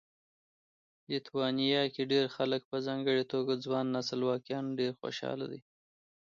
لیتوانیا کې ډېر خلک په ځانګړي توګه ځوان نسل واقعا خوشاله دي